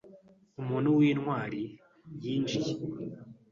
Umuntu w'intwari yinjiye